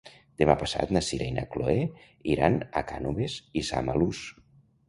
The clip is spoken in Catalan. Demà passat na Sira i na Chloé iran a Cànoves i Samalús.